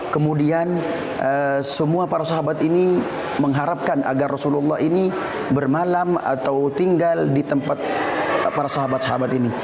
kemudian semua para sahabat ini mengharapkan agar rasulullah ini bermalam atau tinggal di tempat para sahabat sahabat ini